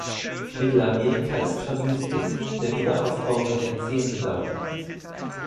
Mittelamerika ist verwüstet, der Wiederaufbau wird Jahrzehnte dauern.